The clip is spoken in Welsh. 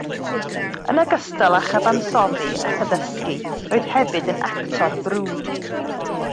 Yn ogystal â chyfansoddi ac addysgu, roedd hefyd yn actor brwd.